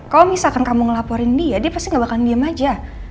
kalau misalkan kamu ngelaporin dia dia pasti gak bakal diem aja